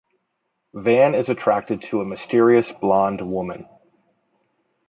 Van is attracted to a mysterious blonde woman.